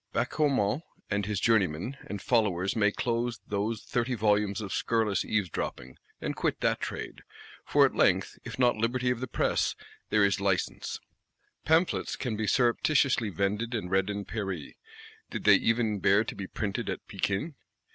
Bachaumont and his journeymen and followers may close those "thirty volumes of scurrilous eaves dropping," and quit that trade; for at length if not liberty of the Press, there is license. Pamphlets can be surreptititiously vended and read in Paris, did they even bear to be "Printed at Pekin."